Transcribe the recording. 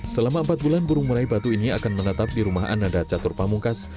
selama empat bulan burung meraih batu ini akan menetap di rumah ananda catur pamungkas